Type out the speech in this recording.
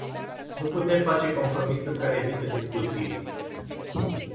Nu putem face compromisuri care evită discuțiile.